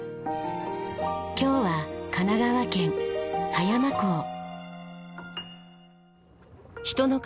今日は神奈川県葉山港。